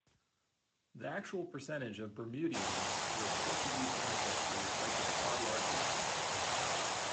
The actual percentage of Bermudians with Portuguese ancestry is likely far larger.